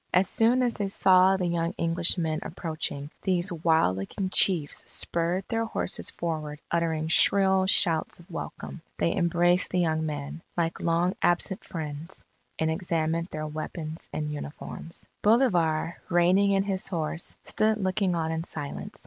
As soon as they saw the young Englishmen approaching, these wild looking chiefs spurred their horses forward uttering shrill shouts of welcome. They embraced the young men, like long absent friends, and examined their weapons and uniforms. Bolivar, reigning in his horse, stood looking on in silence.